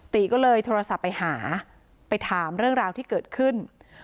ติก็เลยโทรศัพท์ไปหาไปถามเรื่องราวที่เกิดขึ้น